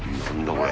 これ。